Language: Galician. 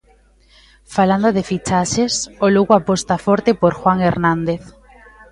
Falando de fichaxes, o Lugo aposta forte por Juan Hernández.